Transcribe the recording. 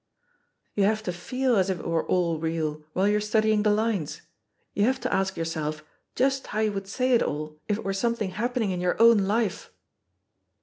"You have to feel as if it were all real while you're studying the lines — ^you have to ask your self just how you would say it all if it were some thing happening in your own life."